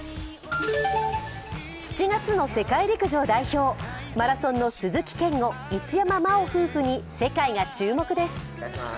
７月の世界陸上代表、マラソンの鈴木健吾・一山麻緒夫婦に世界が注目です。